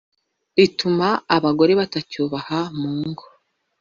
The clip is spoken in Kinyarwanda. rituma abagore batacyubaha mu ngo